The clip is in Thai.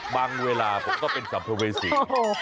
บางเวลาผมก็เป็นสัมโปรเวสี